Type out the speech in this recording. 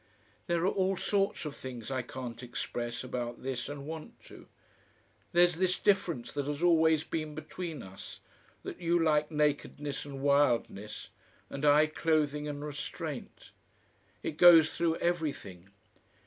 "There are all sorts of things I can't express about this and want to. There's this difference that has always been between us, that you like nakedness and wildness, and I, clothing and restraint. It goes through everything.